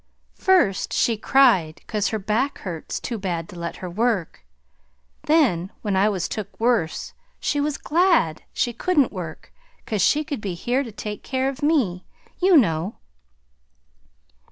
"First she cried 'cause her back hurts too bad to let her work; then when I was took worse she was GLAD she couldn't work, 'cause she could be here to take care of me, you know."